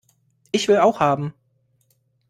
Ich will auch haben!